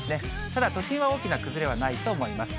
ただ都心は大きな崩れはないと思います。